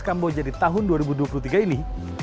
kamboja di tahun dua ribu dua puluh tiga ini